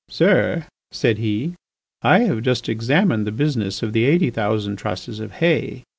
"Sir," said he, "I have just examined the business of the eighty thousand trusses of hay.